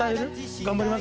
頑張ります。